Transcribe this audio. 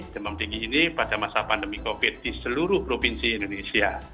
demam tinggi ini pada masa pandemi covid di seluruh provinsi indonesia